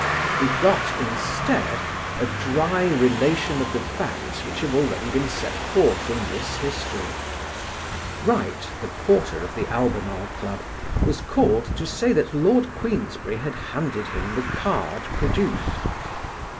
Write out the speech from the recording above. We got, instead, a dry relation of the facts which have already been set forth in this history. Wright, the porter of the Albemarle Club, was called to say that Lord Queensberry had handed him the card produced.